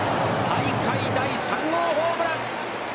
大会第３号ホームラン。